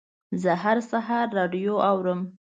زه هر سهار راډیو اورم.